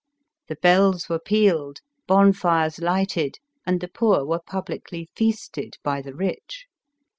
The bells were pealed, bonfires lighted, and the poor were pub licly feasted by the rich.